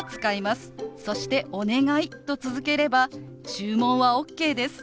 そして「お願い」と続ければ注文はＯＫです。